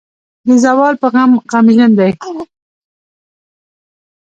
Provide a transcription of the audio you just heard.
د زوال پۀ غم غمژن دے ۔